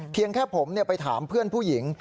เพียงแค่ผมเนี่ยไปถามเพื่อนผู้หญิง